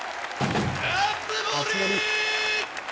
熱盛！